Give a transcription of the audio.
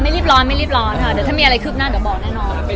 รีบร้อนไม่รีบร้อนค่ะเดี๋ยวถ้ามีอะไรคืบหน้าเดี๋ยวบอกแน่นอน